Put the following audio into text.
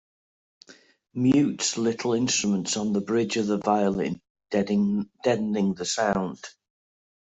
Mutes little instruments on the bridge of the violin, deadening the sound.